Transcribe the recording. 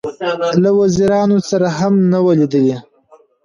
له وزیرانو سره هم نه وه لیدلې.